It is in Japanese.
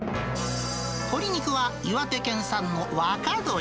鶏肉は、岩手県産の若鶏。